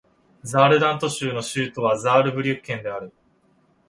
ザールラント州の州都はザールブリュッケンである